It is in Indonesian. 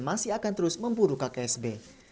masih akan terus memburu kksb